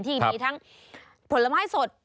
ที่มีทั้งผลไม้สด